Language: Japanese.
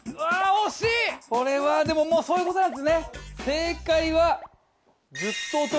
これはでももうそういうことなんですね